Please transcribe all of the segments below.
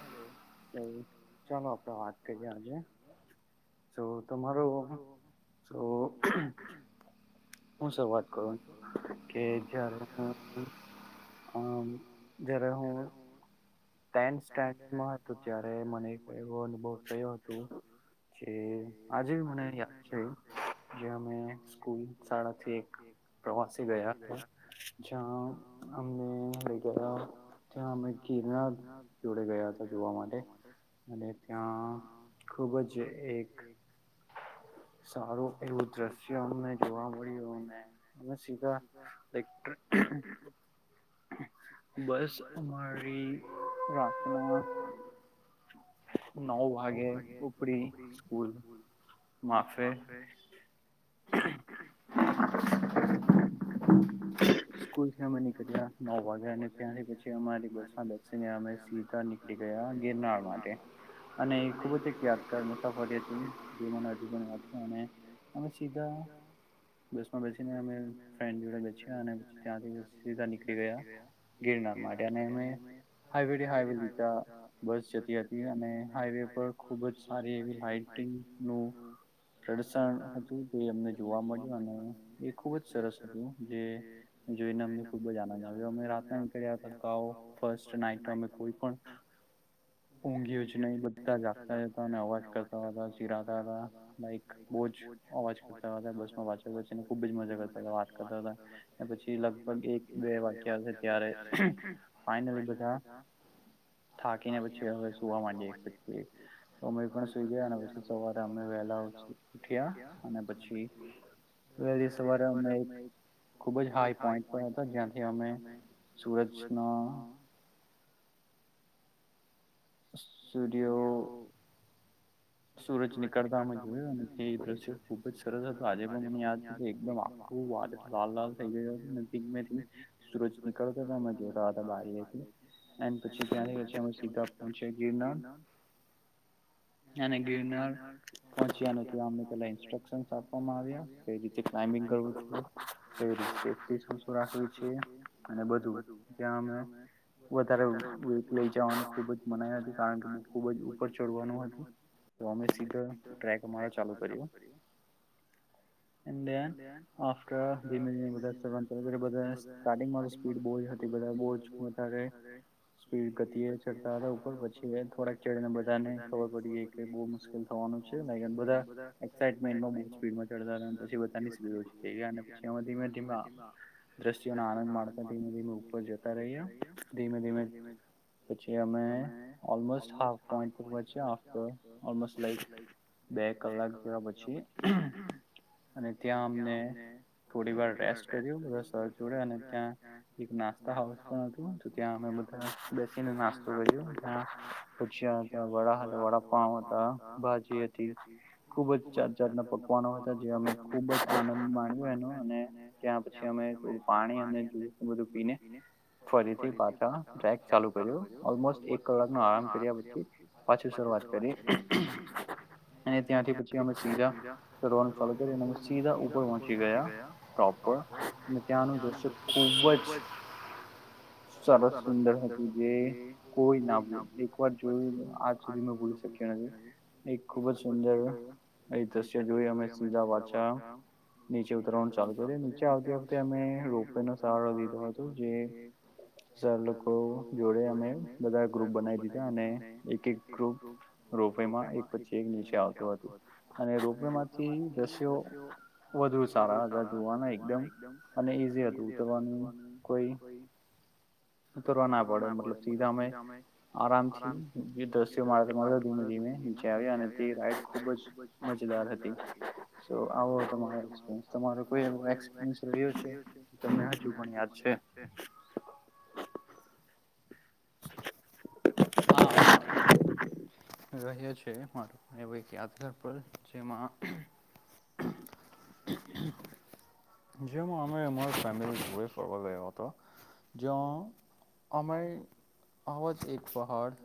hello ચાલો આપડે વાત કરીએ આજે તો તમારો તો હું સર વાત કરું છું કે જ્યારે હ જ્યારે હું માં હતું ત્યારે મને એવ અનુભવ થયો હતો જે આજે મને યાદ છે જે અમે સ્કૂલ સાડાથી એક પ્રવાસે ગયા હતા જ્યાં અમને લઈ ગયા ત્યાં અમે કિરના જોડે ગયા હતા જોવા માટે અને ત્યાં ખુબ જ એક સારું એવું દ્રશ્ય અમને જોવા મળ્યુંને અમે સીધા એક્ટ્ર બસ અમારી રાતના નવ વાગે ઉપરી સ્કૂલ માફે સ્કૂલ થી અમે નીકળ્યા નવ વાગ્યા અને ત્યાંથી પછી અમારી બસમાં બેસીને અમે સીધા નીકળી ગયા ગિરનાર માટે અને ખુબ જ એક યાદગાર મુસાફરી જેમા [unintelligible] પણ અને અમે સીધા બસમાં બેસીને અમે ફન્ડે જોડે બેસિયા અને ત્યા સીધા નીકળી ગયા ગિરનાર માટે અને અમે હવે હાઈવે [unintelligible] બસ જતી ને હાઈવે પર ખુબ જ સારી એવી લાઈટંગ નું પ્રડસણ હતું તે અમને જોવા મળ્યું અને એ ખૂબ જ સરસ હતું જે જોઈને અમને ખુબ જ આનંદ આવ્યો્યો અમે રાતના નીકળ્યા હતા ગા ફસ્ટ નાઈટ અમે કોઈ પણ ઊંઘિયો જ નહી બધા જાગતા હતા ને અવાજ કરતા હતા ચરાતા હતા લાઈક બહુ જ અવાજ કરતા હતા બસમાં પાછળ બેસીને ખુબ જ મજા કરતા પ હતા લગભગ એક બે વાગ્યા છે ત્યારે ફાઇનલી બધા હ થાકીને પછી હવે સુવા માંડએ એક પછી અમે પણ સુઈ ગયા પછી હવારે અમે વહેલા ઉઠ્યા અને પછી એકવાર અમે ખુબ જ હાઈ પોઈન્ટ પણ જ્યાંથી અમે [unintelligible] [unintelligible] સુરજ નીકળતા અમે જોયું અને તે દ્રશ્યો ખુબ જ સરસ હતું આજે પણ મને યાદ છે કે એકદમ આખું વાદળ લાલ લાલ થઈ ગયો હતો [unintelligible] સુરજ નીકળતોને અમે જોતા હતા બારી એથી એન પછી ત્યારે સીધા પૂછે ગિરનાર ગીરનાર પહોચ્યા નથી અને પેલા ઇન્સ્ટ્રક્શન આપવામાં આવ્યા કઈ રીતે ક્લામ્બિંગ કરવું [unintelligible] રાખવી છે અને બધું ત્યાં અમે વધારે વેટ લઈ જવાની ખુબ જ મનાઈ હતી કારણ કે બો ખુબ જ ઉપર ચડવાનું હતું તો અમે સીધો ટ્રેક અમારા ચાલુ કર્યું [inaudible] એન્ડ આફ્ટર ધીમે ધીમે બધાએ ચડવાનું ચાલુ કર્યું બધા એં સ્ટાર્ટિંગમાં સ્પીડ બહુ હતી બધ બોજ વધારે સ્પીડ ગતિ એ ચડતા હતા ઉપર પછી થોડાક ચડીને બધાને ખબર પડી ગઈ બો મુશ્કેલ થવાનું છે ને બધા એક્સિટમેન્ટ નો બોજ સીપડ મા ચડતા હતા પછી બધા ની સીપડ ઓછી થાયે ગયે થય ગયા ને અમે પછી ધીમે ધીમે દ્રશ્યોને આનંદ માણતા ધીમે ધીમે ઉપર જતા રહ્યા ધીમે ધીમે પછી અમે ઓલ મોસ્ટ હાફ પોઇન્ટ પર પોચીયા આફ્ટર [unintelligible] બે કલાક જેવા પછી અને ત્યાં અમને થોડી વાર રેસ્ટ કર્યો બધા સર જોડ અને ત્યાં એક નાસ્ તા હોઉસ પણ હતુ ત્યા અમે બધા બેસીને નાસ્તો કર્યો ત્યાં ભજીયા હતા વડા વડા હતા ભાજી હતી ખુબ જ જાત જાત ના પકવાનો હતા જે અમે ખુબ જ આનંદ માંડી અને ત્યાં પછી અમે પાણી અને બધું પીને ફરીયા [unintelligible] એક કલાક નો આરામ કર્યા પછી શુરૂઆત [unintelligible] અને ત્યાંથી પછી અમે સીધા ચડવાનું ચાલુ કરી અને અમે સીધા ઉપર પહોંચી ગયા પ્રોપર અને ત્યાંનું દ્રષ્ય ખુબ જ સરસ સુંદર હતું જે કોઈ ના ભૂલ એક વાર જોય આજ સુધી મે ભૂલી શકયા નહીં એં ખુબ જ સુંદર એ દ્રશ્ય જોય અમે સીધા વાછા નીચે ઉતરવાનું ચાલુ કર નીચે આવતી વખતે અમે રોપવે નો સારો લીધો હતો જે સર લોકો જોડે અમે બધા ગ્રુપ બનાવી દીધા અને એક એક ગ્રુપ રોપેમાં એક પછી એક નીચે આવતું હતું અને રોપે માંથી દશ્યો વધુ સારા હતા જોવાના એકદમ અને ઈઝી હતું ઉતરવાની કોઈ ઉતરવા ના પડે મતલબ સીધા અમે આરામથી દ્રશ્યો માડતા માડતા ધીમે રહીને જઈને નીચે આવ્યા અને તે રાઈડ ખુબ જ મજેદાર હતી તો આવો તમારો કોઈ એક્સપિરિયન રયો છે તમને હજુ પણ યાદ છે [inaudible] હા હા રહ્યો છે મારું એવું એક યાદગાર પર જેમાં જેમ અમે અમારી ફેમિલી જોડે ફરવા ગયા હતા જં અમે આવા જ એક પહાડ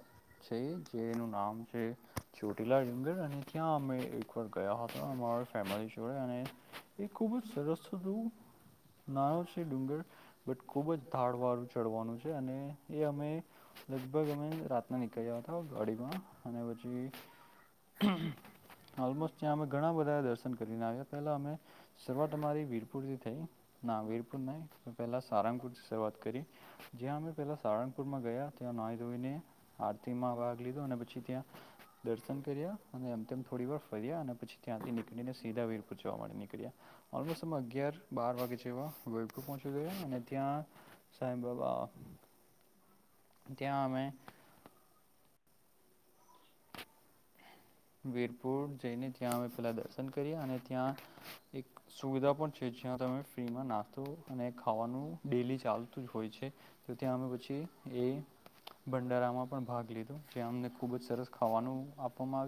છે જેનું નામ છે ચોટીલા ડુંગર અને ત્યાં અમે એક વાર ગયા હતા મારાં ફેમિલી જોડે અને એ ખુબ જ સરસ હતું નાનો છે ડુંગર બટ ખુબ જ ધાડ ચડવાનું છે અને એ અમે લગભગ અમે રાતના નીકળ્યા હતા ગાડીમાં અને પછી ઓલમોસ્ટ ત્યાં અમે ઘણા બધા દર્શન કરીને આવ્યા પેલા અમે શરૂઆત અમારી વીરપુરથી થઈ ના વીરપુર ન તો પેલા સારંગપુર કરી જ્યાં અમે પેલા સારંગપુરમાં ગયા ત્યાં નઈ ધોઈને આરતીમાં ભાગ લીધો અને પછી ત્યાં દર્શન કર્યા અનેમમ થોડી વાર ફર્યા અને પછી ત્યાંથી નીકળીને સીધા વીર પ જવા માટે નીકળ્યા ઓલમોસ્ટ અમે અગિયાર બાર વાગે જેવા વોપુર પહોચી ગયા અને ત્યાં સાહેબ બાબા હ ત્યા મે વીરપુર જઈને ત્યાં અમે પેલા દર્શન કરી અને ત્યાં એક સુવિધા પણ છે જ્યાં તમે ફ્રીમાં નાસ્તો અને ખાવાનું ડેલી ચાલતું જ હોય છે તો ત્યાં અમે પછી એ ભંડારામાં પણ ભાગ લીધો જેમને ખુબ જ સરસ ખાવાનું આપવામાં આવ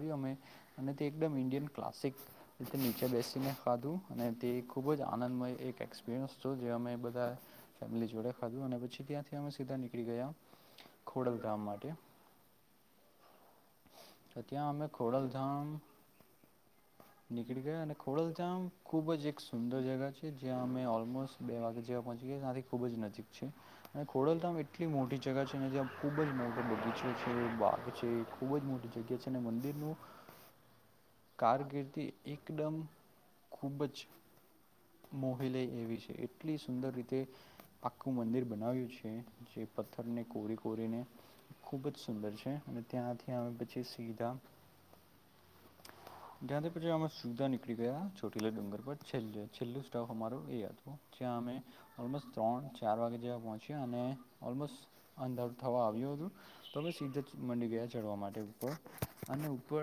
ક્લાિક નીચે બેસીને ખાધું અને તે ખુબ જ આનંદમય એકપરસ જેમે બધા ફેમલી જોડે ખધું અને પી ત્યાંથી અમે સીધા નીકળી ગયા ખોડલ ગામ માટે ત્યાં અમે ખોડલધામ નીકળી ગયા અને ખોડલધામ ખુબ જ એક સુંદર જગા છે જ્યાં અમે ઓલમોસ્ટ બે વાગે જેવા ચ ખુબ જ નજીક છે અને ખોડલધામ એટલી મોટી જગા છે અનેને જ્યાં ખુબ જ મોટો બગીચો બા છે ખુબ જ મોટી જગ્યા છે અને મંદિરનું કારકિર્ એકદમ ખૂબ જ મોહલે એવી છે એટલી સુંદર રીતે પાક્કું મંદિર બનાવ્યું છે જે પથ્થર ને કોરી કોરીને ખુબ જ સુંદર છે અને ત્યાંથી સીધા ત્યાંથી પછી અ સુવિધા નીકળી ગયા ચોટીલા ડુંગર પર છેલ્ છેલ્લો સ્ટાફ અરો એ હતોું્યાં અમે ત્ર ચાર વાગેવા પહચ્યા અને ઓલમો અંધાર થવા આવ્યું હતું તો હ સીધા જ મડી ગયા ચડવા માટે ઉપર અને ઉપર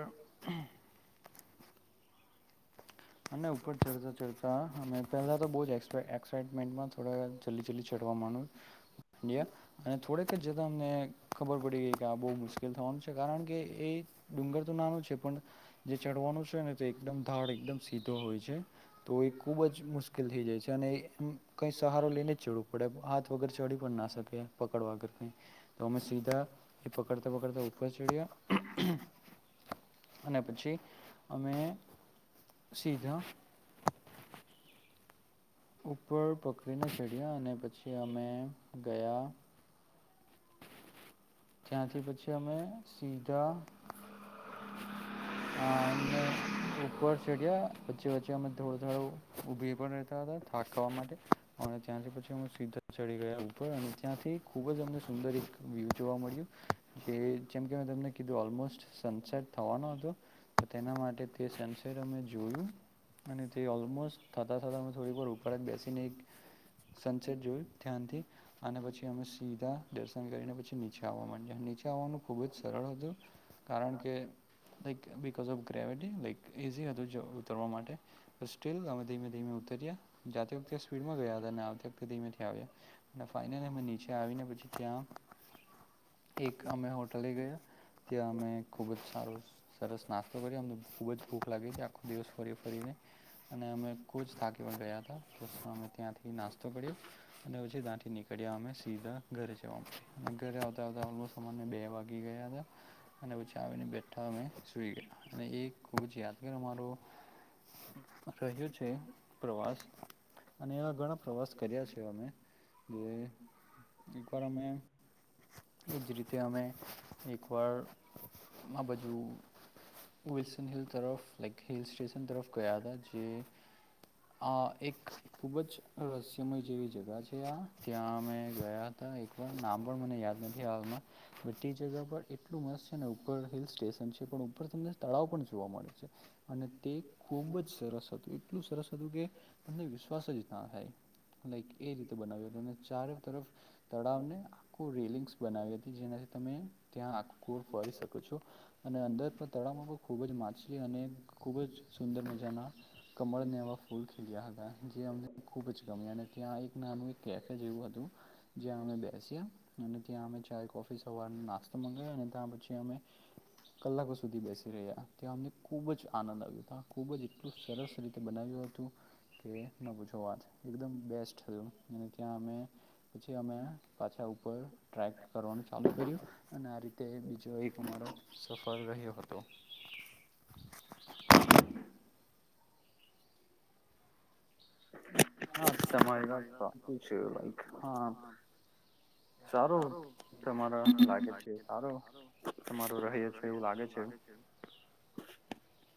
અને ઉપર ચડતા ચઢતા પહેલા તો બ એક્સાાઈટમેન્ટમાં થોડા જલ્લી જલ્ ચતા કરવા મણ અને થોડેક જ જતા અમને ખબર પડી ગઈ કે આ બહુ મુશ્કેલ થવાનું છે કારણ કે એ ડુંગર તો નાનો છે પણ જે ચડવાનું છે ને તે એકદમ ધાડ એકદમ સીધો હોય છે તો એ ખુબ જ મુશ્કેલ થઈ જાય છે અને એમ કઈ સહારો લઈને જ જડવો પડે હાથ વગર ચઢ પણ ના શકે પકડવાગર ક તો અમે સીધા એ પકડતા પકડતા ઉપર જો [inaudible] અને પછી અમે સીધા ઉપર પકડીને ચડ્યા અને પછી અમે ગયા હ હ એ ઉપર સેડિયા વચ્ચે વચ્ચે અમે થોડો થોડો ઉભી પણ રહેતા હતા થાક ખાવા માટે અને ત્યાંથી પછી સીધા ચડી ગયા ઉપર અને ત્યાંથી ખુબ જ અમને સુંર એક વ્યુ જોવા મળ્યું કે જેમકે મેં તમને કીધું ઓલમોસ્ટ સનસેટ થવાનો હતો તો તેના માટે તે સંર અમે જોયું અને તે અલમોસ્ટ થાતા થતાા થોડી ઉપર એક બેસીી નને એક સંચટ જોયું ધ્યાનથી અને પછી અમે સીધા દર્શન કરીને પછી નીચે આવવા માંડ્યા નીચે આવવાનું ખૂબ જ સરળ હતું કારણ કે like because of gravity like easy હતું જો ઉતરવા માટે બસ મેીમે ધમે ઉતર્યાખતે સ્પીડમાં ગયા હતાતેમે આવ નીચે આવીને પછી ત્યાં એક અમે હોટલે ગયા ત્યાં અમે ખુબ જ સારો સરસ નાસ્તો કરીમ ખૂબ જ ભૂખ લાગી આખો દિવસ ફરી અને અમે કો થાકી ગયા હતામે ત્યાંથી નાસ્તો કર્યો અને પછ દા સિની કડિયા સીધા વા ઘરે આવતા આવતા ઓલમોસ્ટ અમા બે વાગી ગયા હતા અને પછી આવીને બેઠા અમે સુઈ ગયા અને એ ખૂબ જ યાદગાર મામારો રહ્યું છે પ્રવાસ અને એવા ઘણા પ્રવાસ કર્યા છે અમે જે એક વાર અમે એજ રીતે અમે એક વાર મા બાજુ વિલ્સન હિલ તરફ લક હિલ સ્ટેશન તરફ ગયા હતા જે આ એક ખુબ જ રસ્યમય જેવી જગા છે આ ત્યાં અમે ગયા નામ પણ મને યાદ નથી આવ જગ પર એટલું મસ્ત છે ઉપર હિલ સ્ટેશન છે પણ ઉપર તમને તળાવ પણ જોવા મળે છે અને તે ખૂબ જ સરસ હતું એટલું સરસ હતું કે તને વિશ્વાસ જ ના થાય લક એ રીતે બનાવ્યો ચારે તરફ પને રેલિંગસ બનાવી હતી જેનાથી તમે ત્યાં આર ફરી શકો છો અને અંદર પણ ત ખુબ જ માછલી અને ખુબ જ સુંદર મજાના કમળ ને એવા ફૂલ ખીલ્યા હતા જે અમને ખુબ જ ગમ્યા અને ત્યાં એક નાનું એક કેફ જ એવું હતું જ્યાં અમે બેસ્યા અને ત્યાં અમે ચાય કોફી સવાર ના મયા અને ત્યાં પછી અમે કલાકો સુધી બેસી રહ્યા ત્યા અમને ખૂબ જ આનંદ આવ્યો હતો ખૂબ જ એટલું સરસ રીતે બનાવ્યું હતું કે ન પૂછો વાત એકદમ બેસ્ટું અને ત્યાં અમે પછી અમે પાછા ઉપર ટ્રેક કરવાનું ચાલુ કર્યું અને આ રીતે બીજો એક અમારો સફળ રહ્યો હતો હરી વા લ હા સારો તમારા લાગે સાર તમાર ર છે લાગે છે